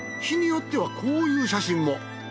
日によってはこういう写真も。